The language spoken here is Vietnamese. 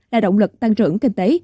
là động lực tăng trưởng kinh tế